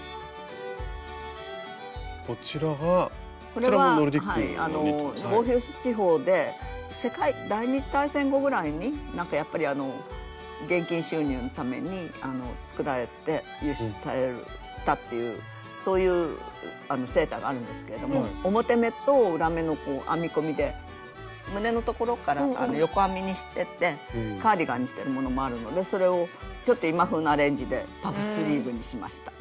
これはボーヒュース地方で世界第２次大戦後ぐらいにやっぱり現金収入のために作られて輸出されたっていうそういうセーターがあるんですけれども表目と裏目の編み込みで胸のところから横編みにしてってカーディガンにしてるものもあるのでそれをちょっと今風なアレンジでパフスリーブにしました。